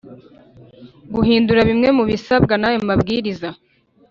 guhindura bimwe mu bisabwa n ayo mabwiriza